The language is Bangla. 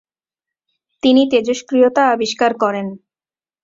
তিনি তেজস্ক্রিয়তা আবিষ্কার করেন।